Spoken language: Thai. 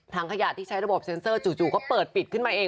ขยะที่ใช้ระบบเซ็นเซอร์จู่ก็เปิดปิดขึ้นมาเอง